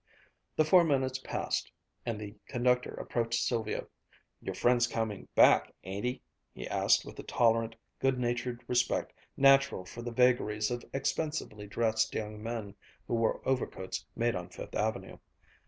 The four minutes passed and the conductor approached Sylvia. "Your friend's coming back, ain't he?" he asked, with the tolerant, good natured respect natural for the vagaries of expensively dressed young men who wore overcoats made on Fifth Avenue.